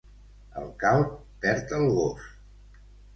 El calb perd el gos.